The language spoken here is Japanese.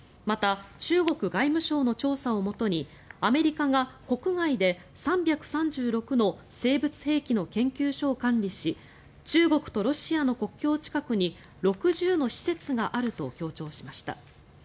また、中国外務省の調査をもとにアメリカが国外で、３３６の生物兵器の研究所を管理し中国とロシアの国境近くに６０の施設があると強調しました。